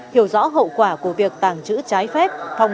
hiểu rõ hậu quả của việc tàng trữ trái phép